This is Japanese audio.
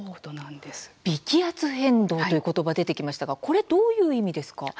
微気圧変動ということば出てきましたがこれ、どういう意味ですか。